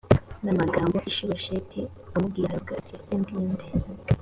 n amagambo ishibosheti amubwiye aravuga ati ese ndi nde